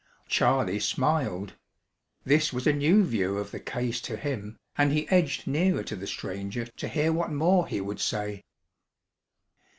Charley smiled. This was a new view of the case to him, and he edged nearer to the stranger to hear what more he would say.